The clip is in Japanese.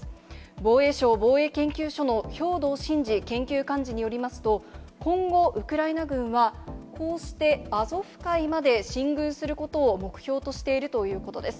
防衛省防衛研究所の兵頭慎治研究幹事によりますと、今後、ウクライナ軍は、こうしてアゾフ海まで進軍することを目標としているということです。